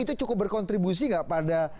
itu cukup berkontribusi nggak pada